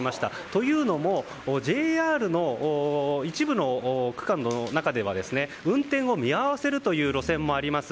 というのもＪＲの一部の区間の中では運転を見合わせるという路線もあります。